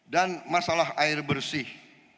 dan masalah air bersih